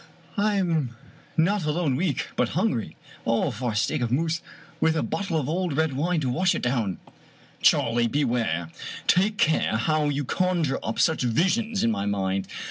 " I am not alone weak, but hungry. Oh, for a steak of moose, with a bottle of old red wine to wash it down 1 "" Charley, beware ! Take care how you conjure up such visions in my mind.